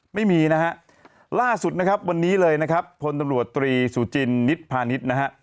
ไม่มีนะล่าสุดวันนี้เลยนะครับผลตำรวจตรีสุจิณนิตพาณิทนะฮะ